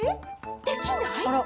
できない？